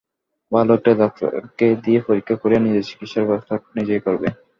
ভালো একটা ডাক্তারকে দিয়ে পরীক্ষা করিয়ে নিজের চিকিৎসার ব্যবস্থা নিজেই করবে।